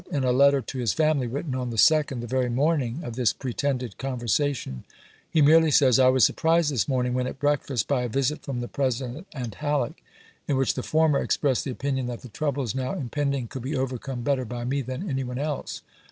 In a letter to his family, written on the 2d, the very morning of this pretended conver Sept., 1862. sation, he merely says : I was surprised this morning, when at breakfast, by a visit from the President and Halleck, in which the for mer expressed the opinion that the troubles now impend ing could be overcome better by me than any one else.